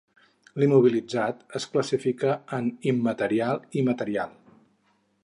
L'immobilitzat es classifica en immaterial i material.